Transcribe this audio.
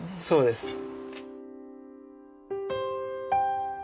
そうです。